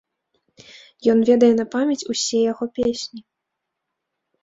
Ён ведае на памяць усе яго песні.